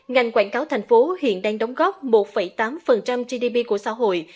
ngành quảng cáo thành phố hiện đang đóng góp một tám gdp của xã hội